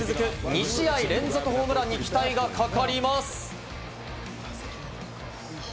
２試合連続ホームランで期待がかかります。